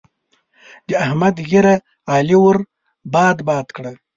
د احمد ږيره؛ علي ور باد باد کړه.